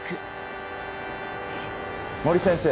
森先生。